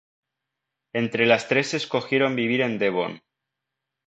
Entre las tres escogieron vivir en Devon.